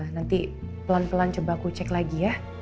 nanti pelan pelan coba ku cek lagi ya